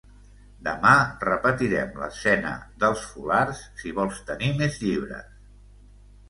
Demà repetirem l'escena dels fulards, si vols tenir més llibres...